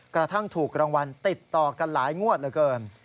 กระทั่งถูกรางวัลติดต่อกันหลายงวดเหลือเกิน